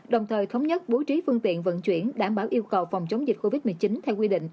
đồng thời thống nhất bố trí phương tiện vận chuyển đảm bảo yêu cầu phòng chống dịch covid một mươi chín theo quy định